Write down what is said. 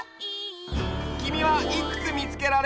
きみはいくつみつけられたかな？